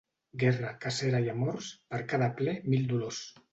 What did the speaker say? Guerra, cacera i amors, per cada pler mil dolors.